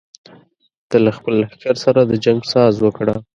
ته له خپل لښکر سره د جنګ ساز وکړه.